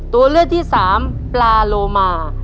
ตัวเลือดที่๓ม้าลายกับนกแก้วมาคอ